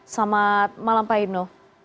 selamat malam pak hipno